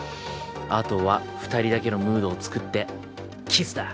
あとは二人だけのムードをつくってキスだ。